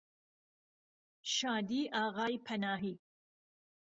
شادی ئاغای پەناهی